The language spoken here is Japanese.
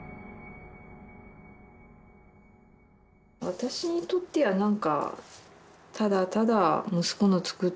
私にとっては何かただただ息子の作ったものですよ。